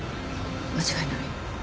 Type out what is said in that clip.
間違いない。